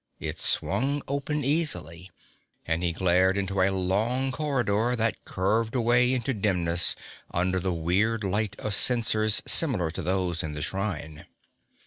It swung open easily, and he glared into a long corridor that curved away into dimness under the weird light of censers similar to those in the shrine.